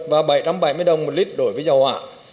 và bảy trăm bảy mươi đồng một lít đối với dầu hỏa